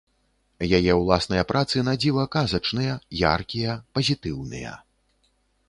Яе ўласныя працы на дзіва казачныя, яркія, пазітыўныя.